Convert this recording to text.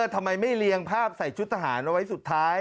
ทำไมไม่เรียงภาพใส่ชุดทหารเอาไว้สุดท้าย